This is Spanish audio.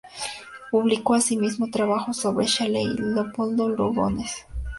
Publicó asimismo trabajos sobre Shelley y Leopoldo Lugones.